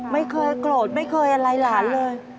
ไม่เคยโกรธไม่เคยอะไรหลานเลย